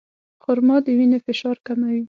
خرما د وینې فشار کموي.